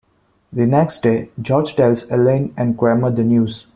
The next day, George tells Elaine and Kramer the news.